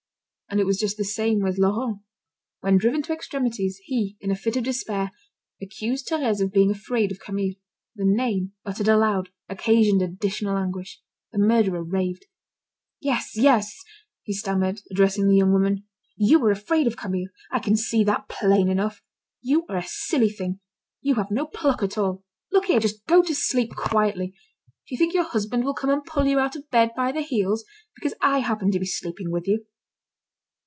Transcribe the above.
And it was just the same with Laurent. When driven to extremities, he, in a fit of despair, accused Thérèse of being afraid of Camille. The name, uttered aloud, occasioned additional anguish. The murderer raved. "Yes, yes," he stammered, addressing the young woman, "you are afraid of Camille. I can see that plain enough! You are a silly thing, you have no pluck at all. Look here! just go to sleep quietly. Do you think your husband will come and pull you out of bed by the heels, because I happen to be sleeping with you?"